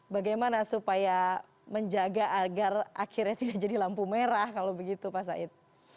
bagaimana supaya menjaga agar akhirnya tidak jadi lampu merah kalau begitu pak said